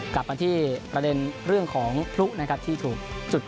กลับมาที่ประเด็นเรื่องของพลุนะครับที่ถูกจุด